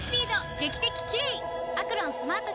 劇的キレイ！